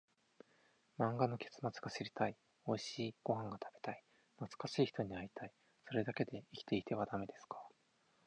漫画の結末が知りたい、おいしいご飯が食べたい、懐かしい人に会いたい、それだけで生きていてはダメですか？